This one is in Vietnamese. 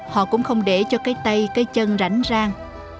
họ cũng không để cho cái tay cái chân rảnh ràng